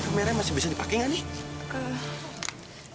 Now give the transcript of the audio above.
kameranya masih bisa dipakai nggak nih